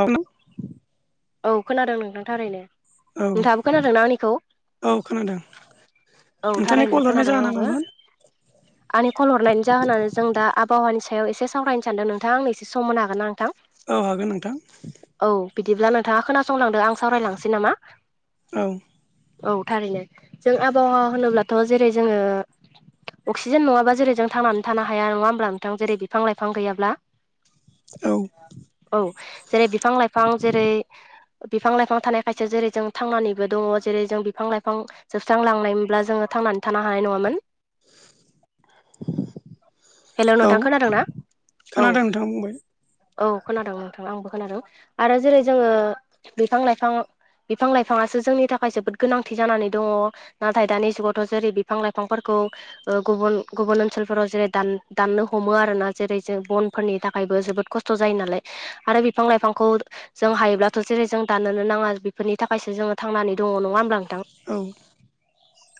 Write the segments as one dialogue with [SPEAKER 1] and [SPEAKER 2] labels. [SPEAKER 1] औ
[SPEAKER 2] औ खोनादों नोंथां थारैनो
[SPEAKER 1] औ
[SPEAKER 2] नोंथाङाबो खोनादोंना आंनिखौ?
[SPEAKER 1] औ खोनादों
[SPEAKER 2] औ
[SPEAKER 1] नोंथांनि कल
[SPEAKER 2] थारायनो
[SPEAKER 1] हरनाय
[SPEAKER 2] खोनादों
[SPEAKER 1] जाहोना
[SPEAKER 2] आंबो।
[SPEAKER 1] मामोन?
[SPEAKER 2] आंनि कल हरनाय जाहोनानै जों दा आबहावानि सायाव एसे सावरायनो सानदों नोंथाङा आंनो एसे सम होनो हागोन ना नोंथां?
[SPEAKER 1] औ हागोन नोंथां।
[SPEAKER 2] औ बिदिब्ला नोंथाङा खोनासंलांदो आं सावरायलांनोसै नामा?
[SPEAKER 1] औ
[SPEAKER 2] औ थारैनो जों आबहावा होनोब्लाथ' जेरै जोङो अक्सिजेन नङाबा जेरै जों थांनानै थानो हाया नङा होमब्ला नोंथां जेरै बिफां लाइफां गैयाब्ला
[SPEAKER 1] औ
[SPEAKER 2] औ जेरै बिफां लाइफां जेरै बिफां लाइफां थानाय खायथियाव जेरै जों थांनानैबो दङ जेरै जों बिफां लाइफां जोबस्रांलांनायमोनब्ला जों ङो थांनानै थानो हानाय नङामोन।
[SPEAKER 1] [unintelligible]
[SPEAKER 2] हेल' नोंथां
[SPEAKER 1] औ
[SPEAKER 2] खोनादों ना? औ
[SPEAKER 1] खोनादों नोंथां बुंबाय
[SPEAKER 2] औ खोनादों नोंथां आंबो खोनादों आरो जेरै जोङो बिफां लाइफां बिफां लाइफाङासो जोंनि थाखाय जोबोद गोनांथि जानानै दङ नाथाय दानि जुगावथ जेरै बिफां लाइफांफोरखौ ओ गुबुन गुबुन ओनसोलफोराव जेरै दान दाननो हमो आरोना जेरै जों बनफोरनि थाखायबो जोबोद खस्थ' जायो नालाय आरो बिफां लाइफांखौ जों हायोब्लाथ जेरै जों दानोनो नाङा बेफोरनि थाखायसो जोङो थांनानै दङ नङा होमब्ला नोंथां
[SPEAKER 1] औ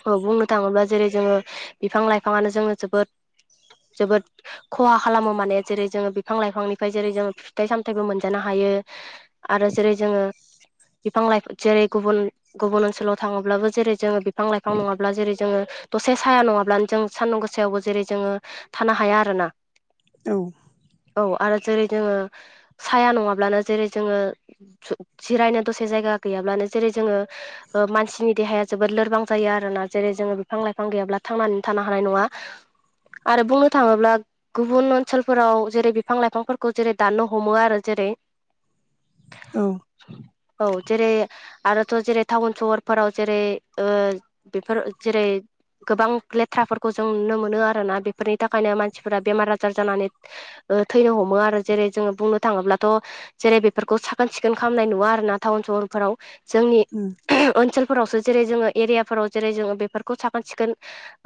[SPEAKER 2] औ बुंनो थाङोब्ला जेरै जोङो बिफां लाइफाङानो जोंनो जोबोद जोबोद खहा खालामो माने जेरै जोङो बिफां लाइफांनिफ्राय जेरै जोङो फिथाइ सामथायाइबो मोनजानो हायो। यो आरो जेरै जोङो बिफां लाइफां जेरै गुबुन गुबुन ओनसोलाव थाङोब्लाबो जेरै जोङो बिफां लाइफां नङाब्ला जेरै जोङो दसे साया नङाब्लानो जों सानदुं गोसायावबो जेरै जोङो थानो हाया आरो ना।
[SPEAKER 1] औ
[SPEAKER 2] औ आरो जेरै जोङो साया नङाब्लानो जेरै जोङो जिरायनो दसे जायगा गैयाब्लानो जेरै जोङो ओ मानसिनि देहाया जोबोद लोरबां जायो आरोना जेरै जोङो बिफां लाइफां गैयाब्ला थांनानै थानो हानाय नङा। आरो बुंनो थाङोब्ला गुबुन ओनसोलफोराव जेरै बिफां लाइफांफोरखौ जेरै दाननो हमो आरो जेरै [unintelligible] औ जेरै आरोथ जेरै टाउन सहरफोराव जेरै ओ बेफोर जेरै गोबां लेथ्राफोरखौ जों नुनो मोनो आ रोना बेफोरनि थाखायनो मानसिफोरा बेमार आजार जानानै थैनो हमो आरो जेरै जोङो बुंनो थाङोब्ला थ' जेरै बेफोरखौ साखोन सिखोन खालामनाय नुवा आरोना टाउन सहरफोराव। जोंनि
[SPEAKER 1] उम
[SPEAKER 2] ओनसोलफोरावसो जेरै जोङो एरियाफोराव जेरै जोङो बेफोरखौ साखोन सिखोन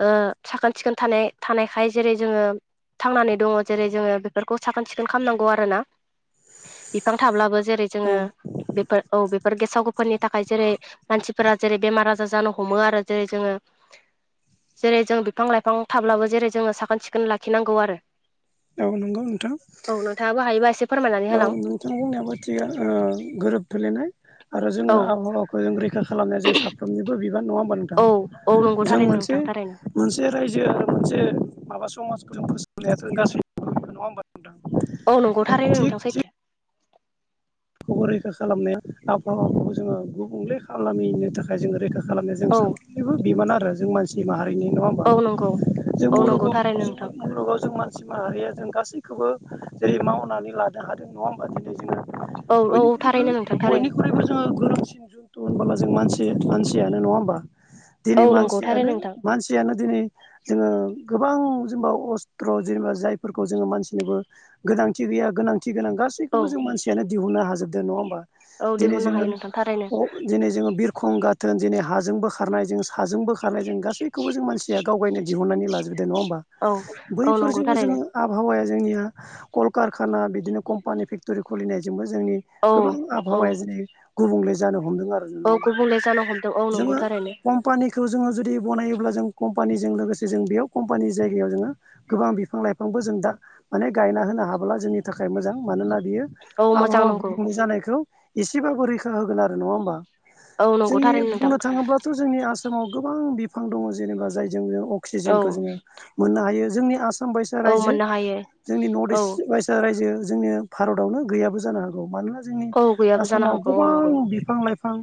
[SPEAKER 2] ओ साखोन सिखोन थानाय थानायखाय जेरै जोङो थांनानै दङ जेरै जोङो बेफोरखौ साखोन सिखोन खालामनांगौ आरोना। बिफां थाब्लाबो जेरै
[SPEAKER 1] औ
[SPEAKER 2] जोङो बेफोर औ बे गेसाव गोफनि थाखाय जेरै मानसिफोरा जेरै बेमार आजार जानो हमो आरो जेरै जोङो जेरै जों बिफां लाइफां थाब्लाबो जेरै जोङो साखोन सिखोन लाखिनांगौ आरो।
[SPEAKER 1] औ नंगौ नोंथां।
[SPEAKER 2] औ नोंथाङाबो हायोबा एसे फोरमायनानै
[SPEAKER 1] औ
[SPEAKER 2] होलां
[SPEAKER 1] नोंथां बुंनायाबो थिग ओ गोरोबफ्लेनाय। आरो जोङो
[SPEAKER 2] औ
[SPEAKER 1] आबहावाखौ जों रैखा खालामनाया जों साफ्रोमनिबो बि- बान नङा होमबा नोंथां
[SPEAKER 2] औ औ नंगौ
[SPEAKER 1] जों
[SPEAKER 2] थारैनो
[SPEAKER 1] मोनसे
[SPEAKER 2] नोंथां थारैनो
[SPEAKER 1] मोनसे रायजो ओ मोनसे माबा समाजखौ फोसाबनायाथ' गाज्रि नङा नङा होनबा नोंथां
[SPEAKER 2] नंगौ थारैनो
[SPEAKER 1] औ
[SPEAKER 2] नोंथां
[SPEAKER 1] थिग
[SPEAKER 2] सैथो
[SPEAKER 1] थिग खोबो रैखा खालामनाया आबहावाखौबो जोङो गुबुंले खालामिनो थाखाय जोङो रैखा खालामनाया जों
[SPEAKER 2] औ
[SPEAKER 1] साफ्रोमबोनिबो बिबान आरो जों मानसि माहारि नङा होमबा
[SPEAKER 2] औ नंगौ
[SPEAKER 1] जों
[SPEAKER 2] औ नंगौ
[SPEAKER 1] मुुलुगाव
[SPEAKER 2] थारैनो
[SPEAKER 1] जों
[SPEAKER 2] नोंथां
[SPEAKER 1] मुलुगाव जों मानसि माहारिया जों गासैखौबो जेरै मावनानै लानो हादों नङा होमबा दिनै जोङो
[SPEAKER 2] औ औ
[SPEAKER 1] बयनिख्रुइबो
[SPEAKER 2] थारैनो नोंथां थारैनो
[SPEAKER 1] बयनिख्रुइबो जोङो गोरोंसिन। दं होनबोला जों मानसि मानसियानो नङा होमबा? दिनै
[SPEAKER 2] औ नंगौ
[SPEAKER 1] मानसियानो
[SPEAKER 2] थारैनो नोंथां
[SPEAKER 1] मानसियानो दिनै जोङो गोबां जेनेबा अस्त्र' जेनेबा जायफोरखौ जोङो मानसिनोबो गोनांथि गैया गोनां थि गोनां
[SPEAKER 2] औ
[SPEAKER 1] गासैखौबो जों मानसियानो दिहुननो हाजोबदो नङा होनबा?
[SPEAKER 2] औ
[SPEAKER 1] दिनै
[SPEAKER 2] दिहुननो
[SPEAKER 1] जोङो
[SPEAKER 2] हायो नोंथां थारैनो
[SPEAKER 1] दिनै जोङो बिर खं गाथोन दिनै हाजोंबो खारनाय जों साजोंबो खारनाय जों गासैखौबो जों मानसिया गावगायनो दिहुननानै लाजोबदों। नङा होमबा
[SPEAKER 2] औ औ नंगौ
[SPEAKER 1] बैफोरजोंबो
[SPEAKER 2] थारैनो
[SPEAKER 1] जोङो आबहावाया जोंनिया कलकारखाना बिदिनो कम्पानि फेक्ट'रि खुलिनायजोंबो जोंनि
[SPEAKER 2] औ
[SPEAKER 1] गोबां
[SPEAKER 2] औ
[SPEAKER 1] आबहावाया दिनै गुबुंले जानो ह- हमदों आरो नङा
[SPEAKER 2] औ
[SPEAKER 1] होमबा
[SPEAKER 2] गुबुंले जानो हमदों औ नंगौ
[SPEAKER 1] जोङो
[SPEAKER 2] थारैनो
[SPEAKER 1] कम्पानि खौ जोङो जुदि बनायोब्ला जों कम्पानिजों लोगोसे जों बेयाव कम्पानिनि जायगायाव जोङो गोबां बिफां लाइफां बो जों दा माने गायना होनो हाब्ला जोंनि थाखाय मोजां मानोना बियो
[SPEAKER 2] औ मोजां
[SPEAKER 1] आबहावा
[SPEAKER 2] नंगौ
[SPEAKER 1] गुबुंले जानायखौ एसेबाबो रैखा होगोन आरो नङा होमबा?
[SPEAKER 2] औ नंगौ
[SPEAKER 1] जोंनि
[SPEAKER 2] थारैनो नोंथां
[SPEAKER 1] बुंनो थाङोब्लाथ' जोंनि आसामाव गोबां बिफां दङ जेनेबा जायजों जों
[SPEAKER 2] औ
[SPEAKER 1] अक्सिजेनखौ जोङो मोननो हायो जोंनि आसाम आसाम बायसा
[SPEAKER 2] औ
[SPEAKER 1] रायजो
[SPEAKER 2] मोननो हायो
[SPEAKER 1] जोंनि नर्थ
[SPEAKER 2] औ
[SPEAKER 1] इस्ट बायसा रायजो जोंनि भारतआवनो गैयाबो जानो हागौ मानोना जोंनि
[SPEAKER 2] औ गैयाबो जानो
[SPEAKER 1] आसामाव
[SPEAKER 2] हागौ औ नंगौ
[SPEAKER 1] गोबां बिफां लाइफां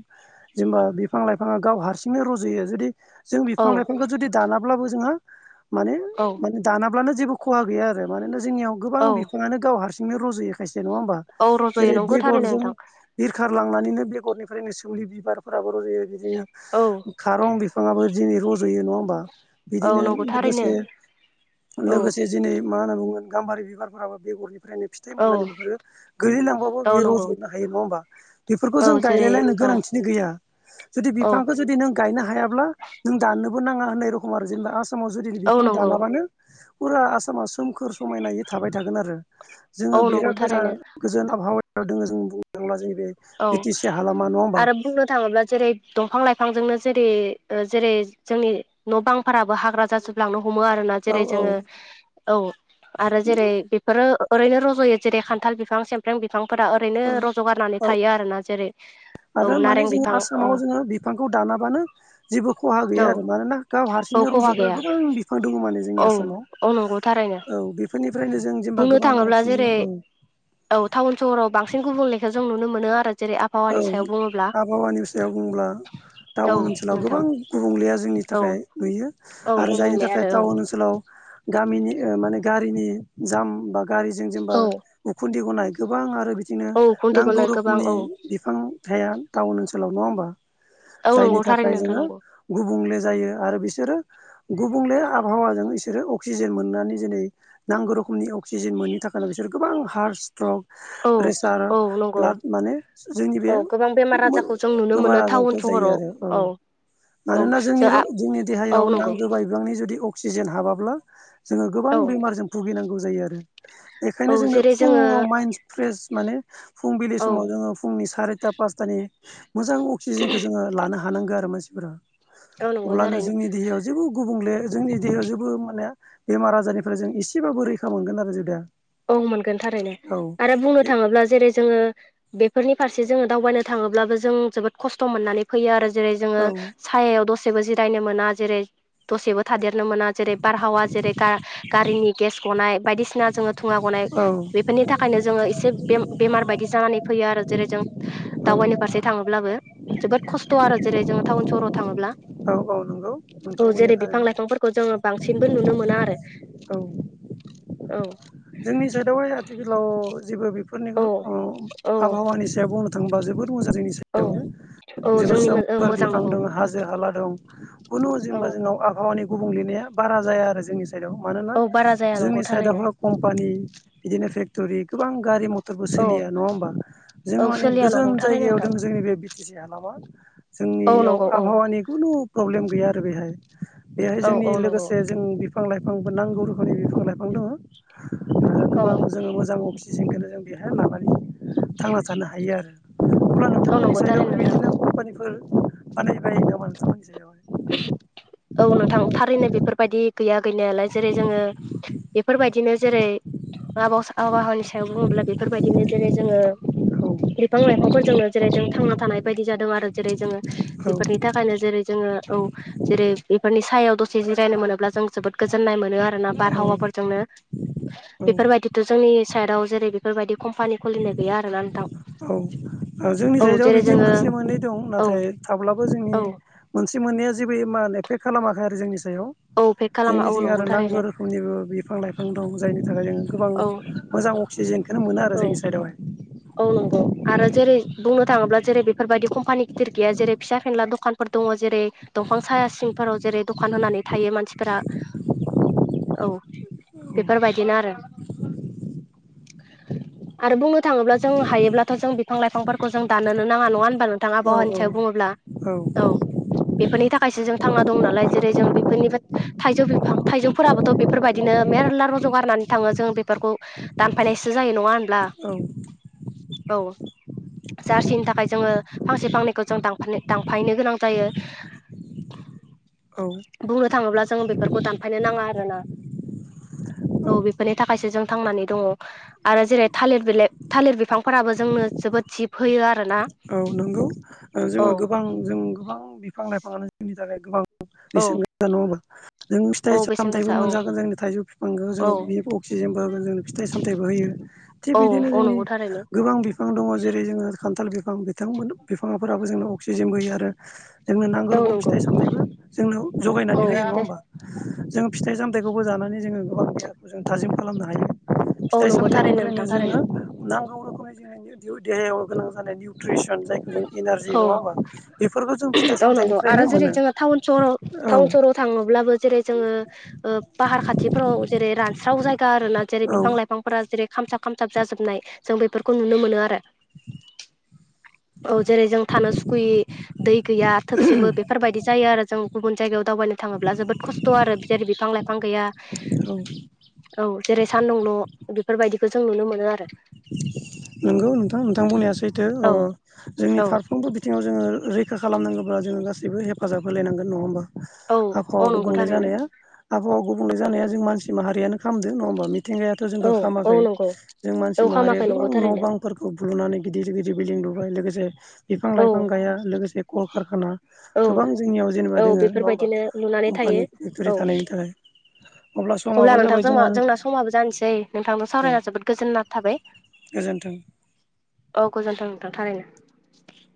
[SPEAKER 1] जेनेबा बिफां लाइफाङा गाव हारसिंनो रुज'यो जुदि जों
[SPEAKER 2] औ
[SPEAKER 1] बिफां लाइफांखौ जुदि दाना अब्लाबो जोंहा माने
[SPEAKER 2] औ
[SPEAKER 1] दानाब्लानो जेबो खहा गैया आरो मानोना जोंनियाव गोबां
[SPEAKER 2] औ
[SPEAKER 1] बिफाङानो गाव हारसिंनो रज'योखायसे नङा होमबा?
[SPEAKER 2] औ रज'यो
[SPEAKER 1] जेरै
[SPEAKER 2] नंगौ थारैनो
[SPEAKER 1] बेगरजों
[SPEAKER 2] नोंथां
[SPEAKER 1] बिरखार- लांनानैनो बेगरनिफ्रायनो सोमलि बिबारफोराबो रजायो बिदिनो
[SPEAKER 2] औ
[SPEAKER 1] खारं बिफाङाबो दिनै रज'यो नङा होमबा
[SPEAKER 2] औ
[SPEAKER 1] बिदिनो
[SPEAKER 2] नंगौ थारैनो
[SPEAKER 1] लोगोसे
[SPEAKER 2] औ
[SPEAKER 1] लोगोसे दिनै मा होनना बुंगोन गाम्बारि बिबारफोराबो बेगरनिफ्रायनो फिथाइ
[SPEAKER 2] औ
[SPEAKER 1] मोननानै बेफोरो गोलैलांबाबो
[SPEAKER 2] औ
[SPEAKER 1] बेयो
[SPEAKER 2] नंगौ
[SPEAKER 1] रज'नो हायो नङा होमबा बेफोरखौ
[SPEAKER 2] औ
[SPEAKER 1] जों
[SPEAKER 2] जेरै
[SPEAKER 1] गायलायलायनो
[SPEAKER 2] औ
[SPEAKER 1] गोनांथिनो गैया। जुदि
[SPEAKER 2] औ
[SPEAKER 1] बिफांखौ जुदि नों गायनो हायाब्ला नों दाननोबो बो नाङा होननाय रखम आरो जेनेबा आसामाव जुदि
[SPEAKER 2] औ
[SPEAKER 1] बिफां
[SPEAKER 2] नंगौ
[SPEAKER 1] दानाबानो फुरा आसामा सोमखोर समायनायै थाबाय थागोन आरो
[SPEAKER 2] औ
[SPEAKER 1] जोङो
[SPEAKER 2] नंगौ
[SPEAKER 1] बिराद बारा
[SPEAKER 2] थारैनो
[SPEAKER 1] गोजोन आबहावायाव दोङो जों बुंनो थांब्ला जोङो
[SPEAKER 2] औ आरो बुंनो थाङोब्ला जेरै दंफां लाइफांजोंनो जेरै ओ जेरै जोंनि न' बांफोराबो हाग्रा जाजोबलांनो ह- हमो आरोना
[SPEAKER 1] औ
[SPEAKER 2] जेरै
[SPEAKER 1] औ
[SPEAKER 2] जोङो औ आरो जेरै बेफोरो ओरैनो रज'यो जेरै खान्थाल बिफां सेमफ्रें बिफांफोरा ओरैनो
[SPEAKER 1] औ
[SPEAKER 2] रज'गारनानै थायो आरोना जेरै औ
[SPEAKER 1] आरो माने
[SPEAKER 2] नारें
[SPEAKER 1] जों
[SPEAKER 2] बिफां औ
[SPEAKER 1] आसामाव जोङो बिफांखौ दानाबानो जेबो खहा गैया
[SPEAKER 2] औ
[SPEAKER 1] आरो मानोना गाव हार
[SPEAKER 2] औ
[SPEAKER 1] सिंनो
[SPEAKER 2] खहा
[SPEAKER 1] रज'ग्रा
[SPEAKER 2] गैया
[SPEAKER 1] गोबां बिफां दङ माने
[SPEAKER 2] औ
[SPEAKER 1] जोंनि आसामाव
[SPEAKER 2] औ नंगौ थारै
[SPEAKER 1] औ बेफोरनि
[SPEAKER 2] बुंनो थाङोब्ला जेरै औ टाउन सहराव बांसिन गुबुंलेखो जों नुनो मोनो आरो जेरै
[SPEAKER 1] औ
[SPEAKER 2] आबहावानि सायाव बुङोब्ला
[SPEAKER 1] आबहावानि सायाव बुंब्ला
[SPEAKER 2] औ
[SPEAKER 1] टाउन ओनसोलाव
[SPEAKER 2] नोंथां
[SPEAKER 1] गोबां गुबुंलेया जोंनि
[SPEAKER 2] औ
[SPEAKER 1] थाखाय नुयो
[SPEAKER 2] औ
[SPEAKER 1] आरो जायनि
[SPEAKER 2] गुबुंले
[SPEAKER 1] थाखाय
[SPEAKER 2] आरो
[SPEAKER 1] टाउन ओनसोलाव गामिनि ओ माने गारिनि जाम बा गारिजों जेनेबा
[SPEAKER 2] औ
[SPEAKER 1] उखुन्दै गनाय गोबां आरो बिदिनो
[SPEAKER 2] औ खुन्थि
[SPEAKER 1] नांगौ
[SPEAKER 2] गनाय गोबां
[SPEAKER 1] रोखोमनि
[SPEAKER 2] औ
[SPEAKER 1] बिफां थाया टाउन ओनसोलाव नङा होमबा
[SPEAKER 2] औ
[SPEAKER 1] जायनि
[SPEAKER 2] नंगौ थारैनो
[SPEAKER 1] थाखाय
[SPEAKER 2] नोंथां
[SPEAKER 1] जोङो
[SPEAKER 2] नंगौ
[SPEAKER 1] गुबुंले जायो आरो बिसोरो गुबुंले आबहावाजों इसोरो अक्सिजेन मोननानै जेरै नांगौ रोखमनि अ क्सिजेन मोननि थाखायनो बिसोरो गोबां हार्ट स्ट्रक
[SPEAKER 2] औ
[SPEAKER 1] प्रेसार
[SPEAKER 2] औ नंगौ
[SPEAKER 1] ब्लाड माने जोंनि
[SPEAKER 2] औ
[SPEAKER 1] बे
[SPEAKER 2] गोबां
[SPEAKER 1] [unintelligible]
[SPEAKER 2] बेमार आजारखौ जों नुनो मोनो
[SPEAKER 1] बेमार
[SPEAKER 2] टाउन
[SPEAKER 1] आजारखौ जायो
[SPEAKER 2] सहराव
[SPEAKER 1] आरो औ
[SPEAKER 2] औ
[SPEAKER 1] मानोना जोंनि
[SPEAKER 2] जों
[SPEAKER 1] जोंनि
[SPEAKER 2] औ
[SPEAKER 1] देहायाव
[SPEAKER 2] नंगौ
[SPEAKER 1] नांगौ बायबांनि जुदि अक्सिजेन हाबाब्ला जोङो
[SPEAKER 2] औ
[SPEAKER 1] गोबां बेमारजों भुगिनांगौ जायो आरो
[SPEAKER 2] औ
[SPEAKER 1] बेखायनो जोङो
[SPEAKER 2] जेरै
[SPEAKER 1] फुङाव माइन्ड फ्रेस माने फुंबिलि
[SPEAKER 2] औ
[SPEAKER 1] समाव जोङो जोंनि सारिता पासथानि मोजां अक्सिजेनखौ जोङो लानो हानांगो आरो मानसिफोरा
[SPEAKER 2] औ नंगौ
[SPEAKER 1] अब्लानो
[SPEAKER 2] थारैनो
[SPEAKER 1] जोंनि देहायाव जेबो गुबुंले जोंनि देहायाव जेबो माने बेमार आजारनिफ्राय जों एसेबाबो रैखा मोनगोन आरो जुदिया
[SPEAKER 2] औ मोनगोन थारैनो आरो बुंनो थाङोब्ला जेरै जोङो बेफोरनि फारसे जोङो दावबायनो थाङोब्लाबो जों जोबोद खस्थ' मोननानै फैयो आरो जेरै जोङो
[SPEAKER 1] औ
[SPEAKER 2] सायायाव दसेबो जिरायनो मोना जेरै दसेबो थादेर नो मोना जेरै बारहावा जेरै गा गारिनि गेस गनाय बायसिना जों थुुङा गनाय
[SPEAKER 1] औ
[SPEAKER 2] बेफोरनि थाखायनो जोङो एसे बेमार बायदि जानानै फैयो आरो जेरै जों
[SPEAKER 1] औ
[SPEAKER 2] दावबायनि फारसे थाङोब्लाबो जोबोद खस्थ' आरो जेरै जोङो टाउन सहराव थाङोब्ला
[SPEAKER 1] नंगौ
[SPEAKER 2] औ
[SPEAKER 1] नोंथां बुंनाया
[SPEAKER 2] जेरै बिफां
[SPEAKER 1] थारैनो
[SPEAKER 2] लाइफांफोरखौ जोङो बांसिनबो नुनो मोना आरो
[SPEAKER 1] औ
[SPEAKER 2] औ
[SPEAKER 1] जोंनि साइडआवहाय आथिखालाव जेबो बेफोरनि
[SPEAKER 2] औ
[SPEAKER 1] [unintelligible]
[SPEAKER 2] औ
[SPEAKER 1] आबहावानि सायाव बुंनो थांबा जोबोद मोजां जोंनि
[SPEAKER 2] औ
[SPEAKER 1] सयावनो
[SPEAKER 2] औ
[SPEAKER 1] जोबोर
[SPEAKER 2] जोंनि
[SPEAKER 1] सोमखोर
[SPEAKER 2] मोजां
[SPEAKER 1] बिफां
[SPEAKER 2] नंगौ
[SPEAKER 1] दं हाजो हाला दं खुनु
[SPEAKER 2] औ
[SPEAKER 1] जेनबा जोंनाव आहावानि गुबुंलेनाया बारा जाया आरो जोंनि साइडआव मानोना
[SPEAKER 2] औ बारा जाया नंगौ
[SPEAKER 1] जोंनि
[SPEAKER 2] थारैनो
[SPEAKER 1] साइडआवहाय कम्पानि बिदिनो फेक्ट'रि गोबां गारि मथरबो
[SPEAKER 2] औ
[SPEAKER 1] सोलिया नङा होमबा
[SPEAKER 2] औ
[SPEAKER 1] जोङो माने
[SPEAKER 2] सोलिया
[SPEAKER 1] गोजान
[SPEAKER 2] नंगौ थारैनो
[SPEAKER 1] जायगायाव
[SPEAKER 2] नोंथां
[SPEAKER 1] दों जोंनि बे बि टि सि हालामा
[SPEAKER 2] औ
[SPEAKER 1] जोंनियाव
[SPEAKER 2] नंगौ औ
[SPEAKER 1] आबहावानि खुनु प्रब्लेम गैया आरो बेहाय बेहाय
[SPEAKER 2] औ
[SPEAKER 1] जोंनि
[SPEAKER 2] औ नंगौ
[SPEAKER 1] लोगोसे जों बिफां लाइफांबो नांगौ रोखोमनि बिफां लाइफां दङ आरो
[SPEAKER 2] औ
[SPEAKER 1] गोबां जोङो मोजां अक्सिजेनखौनो जों बेहाय लानानै थांना थानो हायो आरो अब्ला
[SPEAKER 2] औ
[SPEAKER 1] नोंथांमोननि
[SPEAKER 2] नंगौ थारैनो
[SPEAKER 1] साइडआवबो
[SPEAKER 2] नोंथां
[SPEAKER 1] बिदिनो कम्पानिफोर बानायबाय नामा नोंथांमोननि साइदयाव हा
[SPEAKER 2] औ नोंथां थारैनो बेफोरबायदि गैया गैनायालाय जेरै जोङो बेफोरबायदिनो जेरै आब-आबहावानि सायाव बुङोब्ला बेफोरबायदिनो जेरै जोङो
[SPEAKER 1] औ
[SPEAKER 2] बिफां लाइफांफोरजोंनो जेरै जों थांना थानाय बायदि जादों आरो जेरै जोङो बेफोरनि
[SPEAKER 1] औ
[SPEAKER 2] थाखायनो जेरै जोङो औ जेरै बेफोरनि सायाव दसे जिरायनो मोनोब्ला जों जोबोद गोजोननाय मोनो आरो बारहावाफोरजोंनो
[SPEAKER 1] औ
[SPEAKER 2] बेफोरबायदिथ' जोंनि साइदआव जेरै बेफोरबायदि कम्पानि खुलिनाय गैया आरोना नोंथां
[SPEAKER 1] औ ओ जोंनि
[SPEAKER 2] औ
[SPEAKER 1] साइदआव
[SPEAKER 2] जेरै
[SPEAKER 1] बिदि
[SPEAKER 2] जोङो
[SPEAKER 1] मोनसे मोननै दं
[SPEAKER 2] औ
[SPEAKER 1] नाथाय थाब्लाबो जोंनि
[SPEAKER 2] औ
[SPEAKER 1] मोनसे मोननैया जेबो मान एफेक्ट खालामाखै आरो जोंनि सायाव
[SPEAKER 2] औ पेक खालामा औ
[SPEAKER 1] जोंनिथिं
[SPEAKER 2] नंगौ
[SPEAKER 1] आरो नांगौ
[SPEAKER 2] थारैनो
[SPEAKER 1] रोखोमनिबो बिफां लाइफां दं जायनि थाखाय जों गोबां
[SPEAKER 2] औ
[SPEAKER 1] मोजां अक्सिजेनखौनो मोनो आरो
[SPEAKER 2] औ
[SPEAKER 1] जोंनि साइडआवहाय
[SPEAKER 2] औ नंगौ आरो जेरै बुंनो थाङोब्ला जेरै बेफोरबायदि कम्पानि गिदिर गैया जेरै फिसा फेनला दखानफोर दङ जेरै दंफां सा या सिंफोराव जेरै दखान होनानै थायो मानसिफोरा। औ बेफोरबायदिनो आरो आरो बुंनो थाङोब्ला जों हायोब्लाथ जों बिफां लाइफांफोरखौ जों दानोनो नाङा नङा होनबा नों थां
[SPEAKER 1] औ
[SPEAKER 2] आबहावाानि सायाव बुङोब्ला औ बेफोरनि थाखायस जों थांना दं नालाय जेरै जों बेफोरनि थाइजौ बिफां थाइजौफोराबोथ बेफोरबायदिनो मेरला रजगारनानै थाङो जों बेफोरखौ दानफायनासो जायो नङा होन
[SPEAKER 1] औ
[SPEAKER 2] औ जारसिनि थाखाय जोङो फांसे फांनैखौ जों दानफायनो दांफायनो गोनां जायो।
[SPEAKER 1] औ
[SPEAKER 2] बुंनो थाङोब्ला जों बेफोरखौ दानफायनो नाङा आरो ना। औ बेफोरनि थाखायसो जों थांनानै दङ आरो जेरै थालिर बिलाइ थालिर बिफांफोराबो जोंनो जोबोद जिब होयो आर
[SPEAKER 1] औ नंगौ जोङो गोबां जों गोबां बिफां लाइफाङानो जोंनि थाखाय गोबां
[SPEAKER 2] औ
[SPEAKER 1] बेसेश गोसा नङा होमबा। जोङो फिथाइ
[SPEAKER 2] औ बेसेन
[SPEAKER 1] सामथायबो
[SPEAKER 2] गोसा औ
[SPEAKER 1] मोनजागोन जोंनि थाइजौ बिफांखौ
[SPEAKER 2] औ
[SPEAKER 1] जोङो अक्सिजेनबो जोंनो फिथाइ साम मथाइबो होयो थिग
[SPEAKER 2] औ
[SPEAKER 1] बिदिनो
[SPEAKER 2] औ
[SPEAKER 1] जोंनि
[SPEAKER 2] नंगौ थारैनो
[SPEAKER 1] गोबां बिफां दङ जेरै जोङो खान्थाल बिफां बिथांमोन बिफाङाफोराबो जोंनो अक्सिजेनबोयो आरो जोंनो नांगौ
[SPEAKER 2] औ
[SPEAKER 1] रखम
[SPEAKER 2] नंगौ
[SPEAKER 1] फिथाइ सामथबो जोंनो
[SPEAKER 2] औ
[SPEAKER 1] जगायनानै होयो नङा होमबा जों फिथाइ साम थाइखौबो जानानै जोङो गोबां देहाखौ जों थाजिम खालामनो हायो।
[SPEAKER 2] औ
[SPEAKER 1] फिथाइ
[SPEAKER 2] नंगौ थारैनो
[SPEAKER 1] सामथाइनिफ्रायनो
[SPEAKER 2] नोंथां थारैनो
[SPEAKER 1] जोङो नां गौ गोबां रोखोमनि जोंनि देहायाव गोनां जानाय निउट्रिसन जायखौ जों एनारजि
[SPEAKER 2] औ
[SPEAKER 1] नङा होमबा बेफोरखौ जों फिथाइ
[SPEAKER 2] औ नंगौ आरो
[SPEAKER 1] सामथायाइनिफ्रायनो
[SPEAKER 2] जेरै
[SPEAKER 1] मोनो। औ
[SPEAKER 2] ब्लाबो जेरै जोङो फाहार खाथिफ्राव जेरै रानस्राव जायगा आरो ना जेरै
[SPEAKER 1] औ
[SPEAKER 2] बिफां लाइफांफोरा जेरै खामसाब खामसाब जाजोबनाय जों बेफोरखौ नुनो मोनो आरो। औ जेरै जों थानो सुखुयै दै गैया थोबसेबो बेफोरबायदि जायो आरो जों गुबुन जायगायाव दावबायनो थाङोब्ला जोबोद खस्थ' आरो जेरै बिफां लाइफां गैया
[SPEAKER 1] औ
[SPEAKER 2] औ जेरै सानदुंल बेफोरबायदिखौ जों नुनो मोनो आरो।
[SPEAKER 1] नंगौ नोंथां नोंथां बुंनाया सैथो
[SPEAKER 2] औ
[SPEAKER 1] जोंनि
[SPEAKER 2] औ
[SPEAKER 1] फारफ्रोमबो बिथिङाव जोङो रैखा खालामनांगौब्ला जोङ गासैबो हेफाजाब होलायांगोन नङा होमबा।
[SPEAKER 2] औ औ
[SPEAKER 1] आबहावा
[SPEAKER 2] नंगौ
[SPEAKER 1] गुबुंले
[SPEAKER 2] थारैनो
[SPEAKER 1] जानाया आबहावा गुबुंले जानाया जों मानसि माहारियानो खालामामो नङा होमबा मिथिंगायाथ
[SPEAKER 2] औ
[SPEAKER 1] जोंखौ
[SPEAKER 2] औ
[SPEAKER 1] खालामदों
[SPEAKER 2] नंगौ
[SPEAKER 1] जों मानसि
[SPEAKER 2] औ
[SPEAKER 1] माहारिया
[SPEAKER 2] खामाखै
[SPEAKER 1] गोबां
[SPEAKER 2] नंगौ
[SPEAKER 1] न'
[SPEAKER 2] थारैनो
[SPEAKER 1] बांफोरखौ बुनानै गिदिर गिदिर बिल्डिं लुबाय लोगोसे बिफां
[SPEAKER 2] औ
[SPEAKER 1] लाइफां गाया लोगोसे कलकारखाना
[SPEAKER 2] औ
[SPEAKER 1] गोबां जोंनियाव जेनेबा
[SPEAKER 2] औ
[SPEAKER 1] दोङो नङा होमबा
[SPEAKER 2] बेफोरबायदिनो लुनानै थायो
[SPEAKER 1] कम्पानि फेक्ट'रि
[SPEAKER 2] औ
[SPEAKER 1] थानायनि थाखाय [unintelligible]
[SPEAKER 2] अब्ला
[SPEAKER 1] समाबो जाबाय
[SPEAKER 2] नोंथांजों
[SPEAKER 1] जोंहा
[SPEAKER 2] जोंना
[SPEAKER 1] औ
[SPEAKER 2] समाबो जानोसै नोंथांजों सावरायना जोबोद गोजोन्ना थाबाय
[SPEAKER 1] गोजोन्थों
[SPEAKER 2] औ गोजोनथाव नोंथां थारैनो।